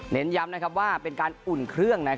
เน้นย้ำว่าเป็นการอุ่นเครื่อง